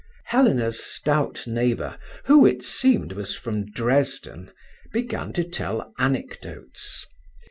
Helena's stout neighbour, who, it seemed, was from Dresden, began to tell anecdotes.